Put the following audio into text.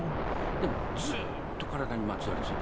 でもずっと体にまとわりついてます。